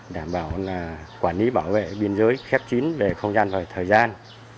đảm bảo quản lý bảo vệ biên giới khép chín về không gian và thời gian